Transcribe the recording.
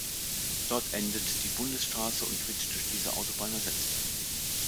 Dort endet die Bundesstraße und wird durch diese Autobahn ersetzt.